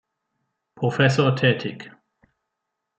Professor tätig.